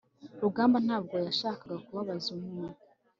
rugamba ntabwo yashakaga kubabaza umuntu